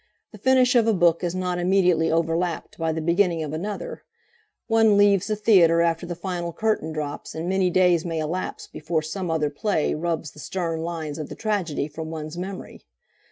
The finish of a book is not immediately overlapped by the beginning of another; one leaves the theatre after the final curtain drops, and many days may elapse before some other play rubs the stern lines of the tragedy from one's memory.